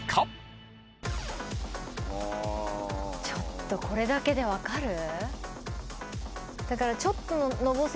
ちょっとこれだけで分かる？